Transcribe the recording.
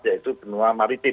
yaitu benua maritim